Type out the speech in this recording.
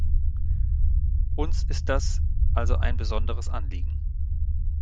Uns ist das also ein besonderes Anliegen.